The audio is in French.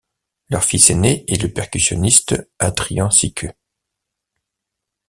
Leur fils aîné est le percussionniste Adrian Ciceu.